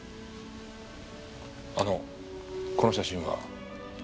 あのこの写真は？